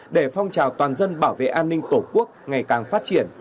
để phong trào toàn dân bảo vệ an ninh tổ quốc ngày càng phát triển